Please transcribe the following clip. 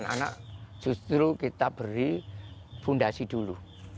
anak justru kita beri fundasi dulu